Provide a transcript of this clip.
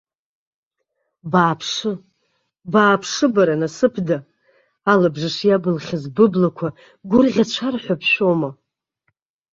Бааԥшы, бааԥшы, бара насыԥда, алабжыш иабылхьаз быблақәа гәырӷьацәар ҳәа бшәома?